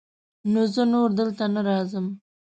نو زه نور دلته نه راځم.